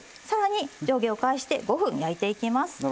さらに上下を返して５分焼いていきます。